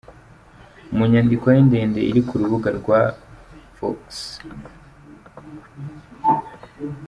Mu nyandiko ye ndende iri ku rubuga rwa Vox.